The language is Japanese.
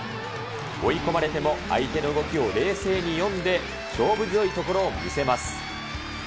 追い込まれても、相手の動きを冷静に読んで勝負強いところを見せます。